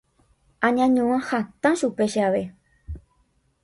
añañua hatã chupe che ave.